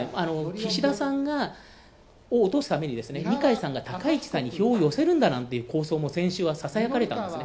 岸田さんを落とすために、二階さんが高市さんに票を寄せるんだという構想も先週はささやかれたんですね。